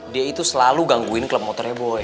dia itu selalu gangguin klub motornya boy